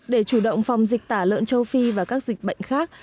để chủ động phòng dịch tả lợn châu phi và các dịch bệnh khác